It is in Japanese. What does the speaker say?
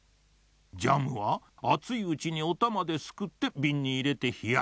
ジャムはあついうちにおたまですくってびんにいれてひやす。